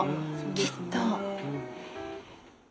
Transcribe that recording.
きっと。